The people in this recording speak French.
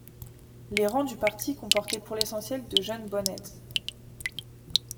Les rangs du parti comportaient pour l'essentiel de jeunes boneheads.